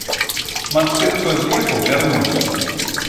Шмат тых, хто з'ехаў, вярнуліся.